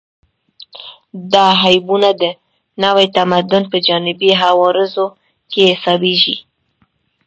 دا عیبونه د نوي تمدن په جانبي عوارضو کې حسابېږي